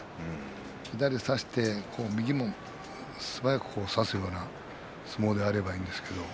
左を差して右を素早く差すような相撲であればいいんですけど。